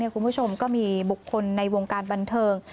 คุณผู้ชมก็มีบุคคลในวงการบันเทิง